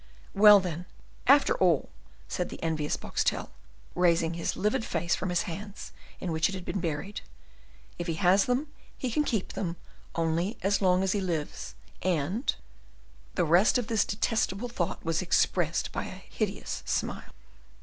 "Well, then, after all," said the envious Boxtel, raising his livid face from his hands in which it had been buried "if he has them, he can keep them only as long as he lives, and " The rest of this detestable thought was expressed by a hideous smile.